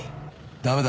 ダメだ。